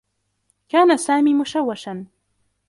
كان سامي مشوّشا.